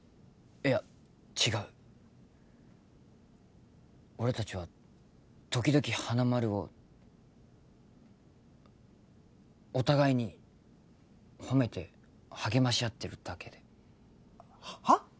いや違う俺達は時々花丸をお互いに褒めて励まし合ってるだけではあ？